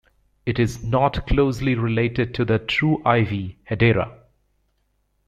It is not closely related to the true ivy, "Hedera".